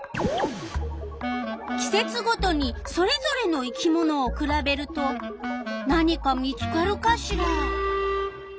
季節ごとにそれぞれの生き物をくらべると何か見つかるかしら？